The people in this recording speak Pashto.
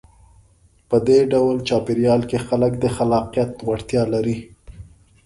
په دې ډول چاپېریال کې خلک د خلاقیت وړتیا لري.